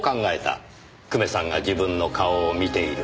久米さんが自分の顔を見ている。